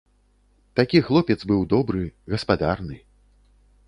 Такі хлопец быў добры, гаспадарны.